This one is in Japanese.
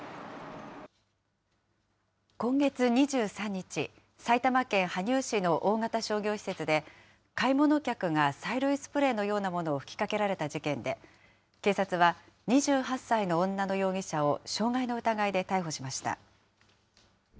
今月２３日、埼玉県羽生市の大型商業施設で、買い物客が催涙スプレーのようなものを吹きかけられた事件で、警察は２８歳の女の容疑者を傷害の疑いで逮捕しました。